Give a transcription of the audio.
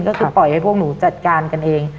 ก็คือปล่อยให้พวกหนูจัดการกันเอง